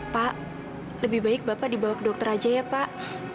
pak lebih baik bapak dibawa ke dokter aja ya pak